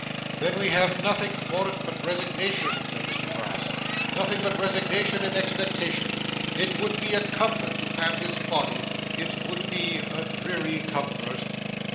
'Then we have nothing for it but resignation,' said Mr Brass; 'nothing but resignation and expectation. It would be a comfort to have his body; it would be a dreary comfort.